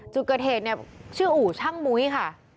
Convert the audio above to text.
จุดเกิดเหตุเนี่ยชื่ออู่ช่างมุ้ยค่ะ